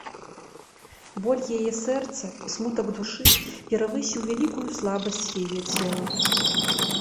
Боль яе сэрца і смутак душы перавысіў вялікую слабасць яе цела.